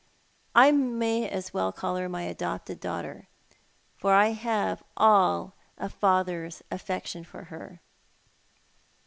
I may as well call her my adopted daughter, for I have all a father's affection for her."